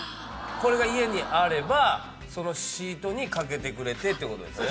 これが家にあればそのシートにかけてくれてってことですよね。